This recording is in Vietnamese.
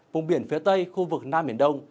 vùng biển phía tây khu vực nam biển đông